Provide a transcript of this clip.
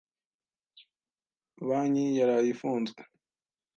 Banki yaraye ifunzwe.